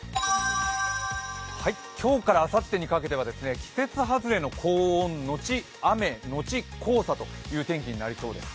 今日からあさってにかけては、季節外れの高温のち雨のち黄砂となりそうです。